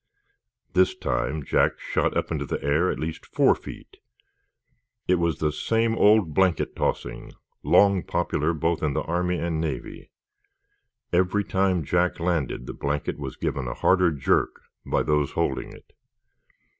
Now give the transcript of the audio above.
This time Jack shot up into the air at least four feet. It was the same old blanket tossing, long popular both in the Army and Navy. Every time Jack landed the blanket was given a harder jerk by those holding it.